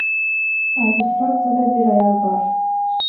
Азыр фракцияда бир аял бар.